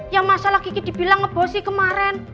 yang masalah kiki dibilang ngebosi kemaren